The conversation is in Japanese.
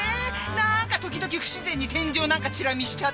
なんか時々不自然に天井なんかチラ見しちゃって。